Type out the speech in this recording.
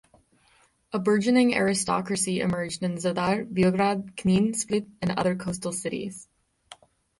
A burgeoning aristocracy emerged in Zadar, Biograd, Knin, Split and other coastal cities.